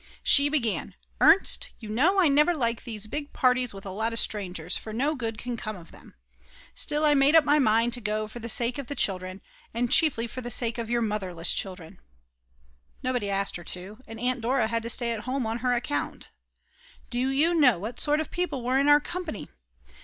She began: "Ernst, you know I never like these big parties with a lot of strangers, for no good can come of them. Still, I made up my mind to go for the sake of the children, and chiefly for the sake of your motherless children. (Nobody asked her to; and Aunt Dora had to stay at home on her account.) Do you know what sort of people were in our company?